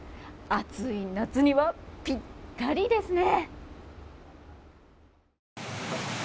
暑い夏には、ぴったりですね！